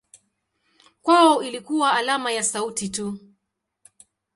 Kwao ilikuwa alama ya sauti tu.